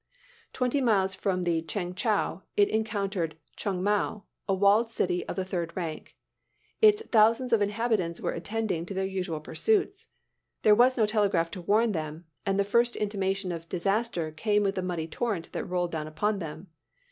"Twenty miles from Cheng Chou it encountered Chungmou, a walled city of the third rank. Its thousands of inhabitants were attending to their usual pursuits. There was no telegraph to warn them, and the first intimation of disaster came with the muddy torrent that rolled down upon them.